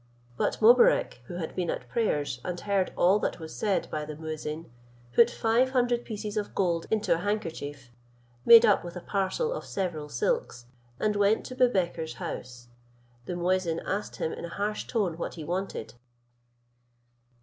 But Mobarec, who had been at prayers, and heard all that was said by the muezin, put five hundred pieces of gold into a handkerchief, made up with a parcel of several silks, and went to Boubekir's house. The muezin asked him in a harsh tone what he wanted.